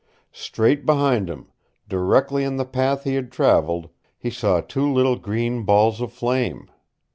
Straight behind him, directly in the path he had traveled, he saw two little green balls of flame!